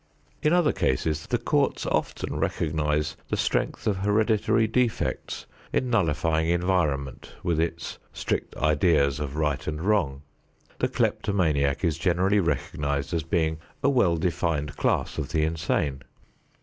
In other cases, the courts often recognize the strength of hereditary defects in nullifying environment with its strict ideas of right and wrong. The kleptomaniac is generally recognized as being a well defined class of the insane.